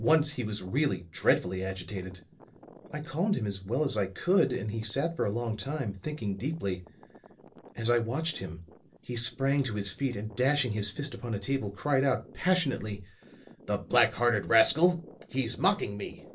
Once he was really dreadfully agitated. I calmed him as well as I could, and he sat for a long time, thinking deeply. As I watched him, he sprang to his feet and dashing his fist upon a table, cried out, passionately: "'The black hearted rascal! He's mocking me!'